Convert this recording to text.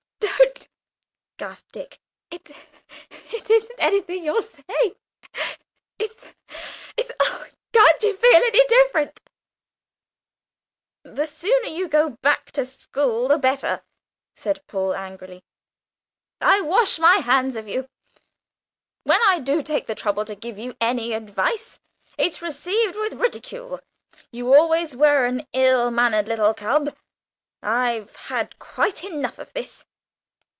"Don't!" gasped Dick. "It, it isn't anything you're saying it's, it's oh, can't you feel any difference?" "The sooner you go back to school the better!" said Paul angrily. "I wash my hands of you. When I do take the trouble to give you any advice, it's received with ridicule. You always were an ill mannered little cub. I've had quite enough of this.